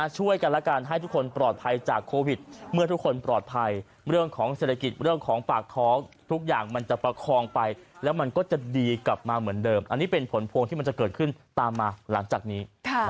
ช่วยกันแล้วกันให้ทุกคนปลอดภัยจากโควิดเมื่อทุกคนปลอดภัยเรื่องของเศรษฐกิจเรื่องของปากท้องทุกอย่างมันจะประคองไปแล้วมันก็จะดีกลับมาเหมือนเดิมอันนี้เป็นผลพวงที่มันจะเกิดขึ้นตามมาหลังจากนี้